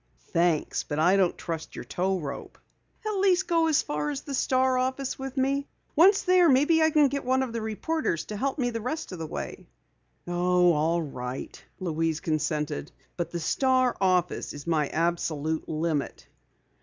"Thanks, but I don't trust your tow rope." "At least go as far as the Star office with me. Once there, maybe I can get one of the reporters to help me the rest of the way." "Oh, all right," Louise consented. "But the Star office is my absolute limit."